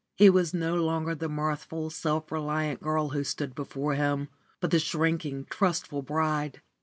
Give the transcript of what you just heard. It was no longer the mirthful, self reliant girl who stood before him, but the shrinking, trustful bride.